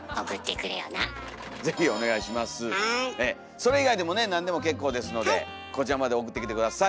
それ以外でもね何でも結構ですのでこちらまで送ってきて下さい。